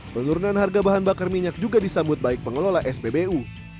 penurunan harga bahan bakar minyak juga disambut baik pengelola spbu